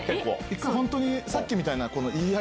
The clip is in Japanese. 一回本当にさっきみたいな。